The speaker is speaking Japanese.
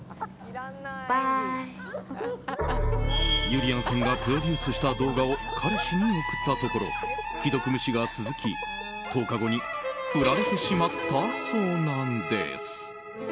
ゆりやんさんがプロデュースした動画を彼氏に送ったところ既読無視が続き１０日後に振られてしまったそうなんです。